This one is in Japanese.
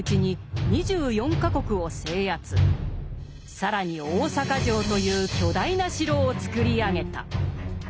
更に大坂城という巨大な城を造り上げた。